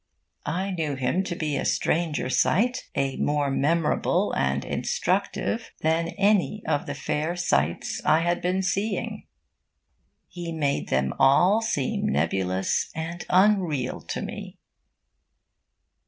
I knew him to be a stranger sight, a more memorable and instructive, than any of the fair sights I had been seeing. He made them all seem nebulous and unreal to me.